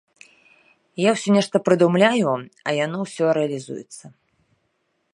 Я ўсё нешта прыдумляю, а яно ўсё рэалізуецца.